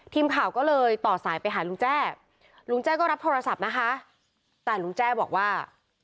ทีมข่าวก็เลยต่อสายไปหาลุงแจ้ลุงแจ้ก็รับโทรศัพท์นะคะแต่ลุงแจ้บอกว่า